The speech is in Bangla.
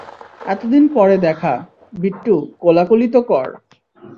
এতদিন পর দেখা, বিট্টু, কোলাকুলি তো কর।